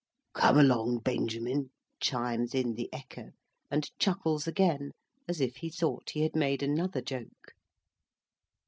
"Come along, Benjamin," chimes in the echo, and chuckles again as if he thought he had made another joke.